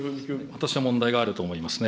私は問題があると思いますね。